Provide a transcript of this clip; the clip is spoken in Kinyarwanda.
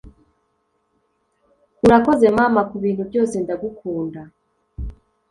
urakoze mama, kubintu byose, ndagukunda